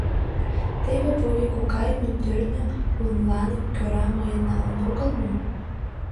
Теве Полли кокай мӱндырнӧ улмемлан кӧра мыйым налын огыл мо?